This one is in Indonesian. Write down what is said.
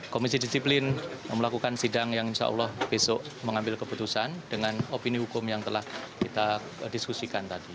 komisi disiplin melakukan sidang yang insya allah besok mengambil keputusan dengan opini hukum yang telah kita diskusikan tadi